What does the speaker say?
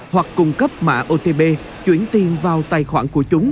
hoặc cung cấp mạng otp chuyển tiền vào tài khoản của chúng